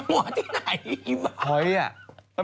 เอาหัวที่ไหนอีบ้า